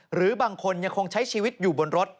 หรือบางคนยังคงใช้ชีวิตอยู่บนรถ